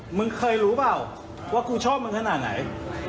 มึงเคยรู้เปล่าว่ากูชอบมึงขนาดไหน